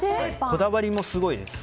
こだわりもすごいです。